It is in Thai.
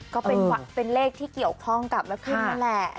ก็เป็นเลขที่เกี่ยวข้องกับแม่พึ่งนั่นแหละ